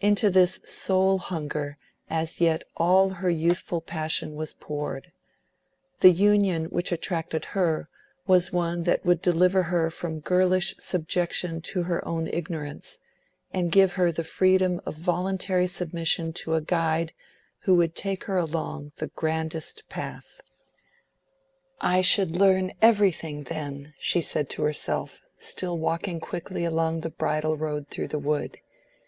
Into this soul hunger as yet all her youthful passion was poured; the union which attracted her was one that would deliver her from her girlish subjection to her own ignorance, and give her the freedom of voluntary submission to a guide who would take her along the grandest path. "I should learn everything then," she said to herself, still walking quickly along the bridle road through the wood.